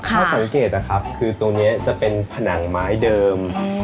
ถ้าสังเกตนะครับคือตรงนี้จะเป็นผนังไม้เดิม